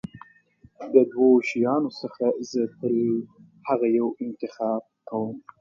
د دوو شیطانانو څخه زه تل هغه یو انتخاب کوم.